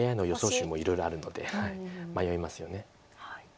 手もいろいろあるので迷いますよね。